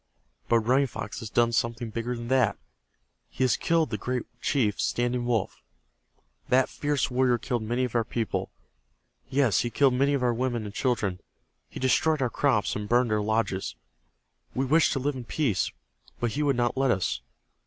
But Running Fox has done something bigger than that. He has killed the great chief Standing Wolf. That fierce warrior killed many of our people. Yes, he killed many of our women and children. He destroyed our crops, and burned our lodges. We wished to live in peace, but he would not let us.